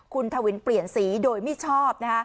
คุณทวินเปลี่ยนสีโดยไม่ชอบ